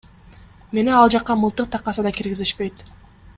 Мени ал жакка мылтык такаса да киргизишпейт.